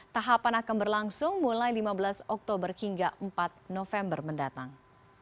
tahapan akan berlangsung mulai lima belas oktober hingga empat november mendatang